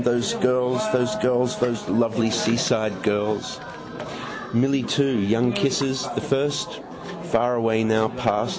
Those girls, those girls, Those lovely seaside girls. Milly too. Young kisses: the first. Far away now past.